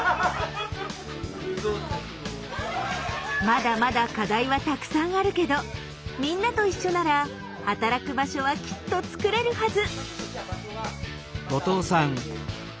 まだまだ課題はたくさんあるけどみんなと一緒なら働く場所はきっとつくれるはず。